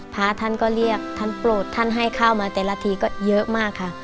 พระท่านก็เรียกท่านโปรดท่านให้ข้าวมาแต่ละทีก็เยอะมากค่ะ